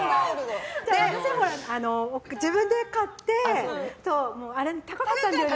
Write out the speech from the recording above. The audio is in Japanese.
私が自分で買ってあれ、高かったんだよね。